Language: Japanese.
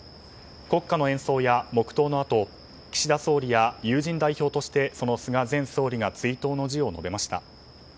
国家の演奏や黙祷のあと岸田総理や友人代表として菅前総理が追悼の辞を述べました。